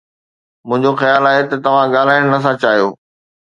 منهنجو خيال آهي ته توهان ڳالهائڻ نٿا چاهيو